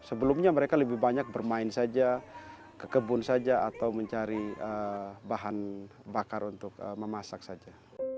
sebelumnya mereka lebih banyak bermain saja ke kebun saja atau mencari bahan bakar untuk memasak saja